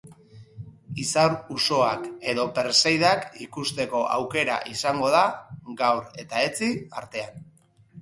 Izar usoak edo perseidak ikusteko aukera izango da gaur eta etzi artean.